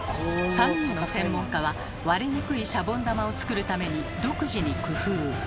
３人の専門家は割れにくいシャボン玉を作るために独自に工夫。